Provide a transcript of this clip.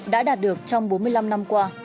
đã đạt được trong bốn mươi năm năm qua